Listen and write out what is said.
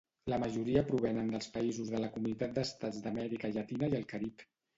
La majoria provenen dels països de la Comunitat d'Estats d'Amèrica Llatina i el Carib.